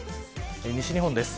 西日本です。